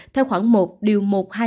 theo khoảng một điều một trăm hai mươi ba